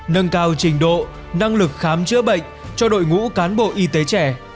nâng cao trình độ năng lực khám chữa bệnh cho đội ngũ cán bộ y tế trẻ